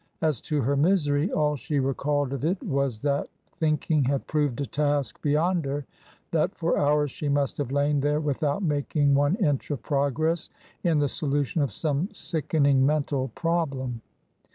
As to her misery, all she recalled of it was that thinking had proved a task beyond her, that for hours she must have lain there without making one inch of progress in the solution of some sickening mental problem.